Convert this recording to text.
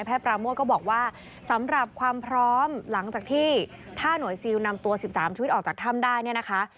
ปราโมทก็บอกว่าสำหรับความพร้อมหลังจากที่ถ้าหน่วยซิลนำตัว๑๓ชีวิตออกจากถ้ำได้เนี่ยนะคะ